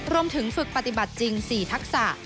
รวมถึงฝึกปฏิบัติจริง๔ทักษะ